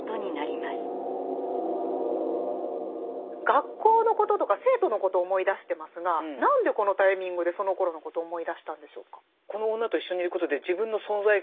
学校のこととか生徒のことを思い出してますが何でこのタイミングでそのころのことを思い出したんでしょうか？